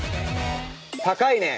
高いね。